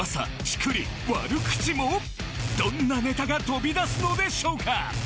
チクリ悪口もどんなネタが飛び出すのでしょうか